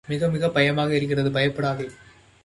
மிகப் மிகப் பயமாக இருக்கிறது. பயப்படாதே!